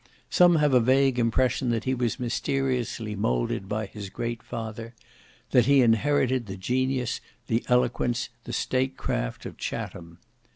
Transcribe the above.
Some have a vague impression that he was mysteriously moulded by his great father: that he inherited the genius, the eloquence, the state craft of Chatham.